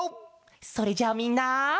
それじゃあみんな。